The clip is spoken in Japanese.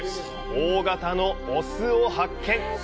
大型のオスを発見！